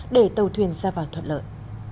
để tàu thuyền ra vào thuận lợi